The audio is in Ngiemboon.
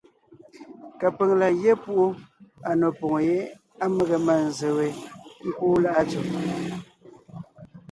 Kapʉ̀ŋ la gyɛ́ púʼu à nò poŋo yé á mege mânzse we ńkúu Láʼa Tsẅɛ.